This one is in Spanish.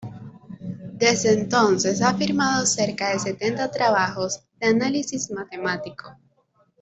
Desde entonces ha firmado cerca de setenta trabajos de análisis matemático.